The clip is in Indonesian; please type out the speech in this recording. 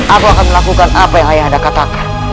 aku akan melakukan apa yang ayah anda katakan